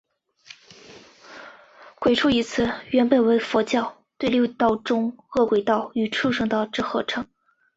鬼畜一词原本为佛教对六道中饿鬼道与畜生道之合称。